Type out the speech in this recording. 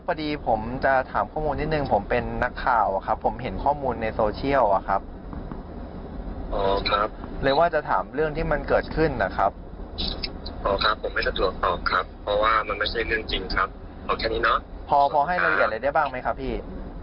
พอให้ลังเกิดอะไรได้บ้างไหมค่ะพี่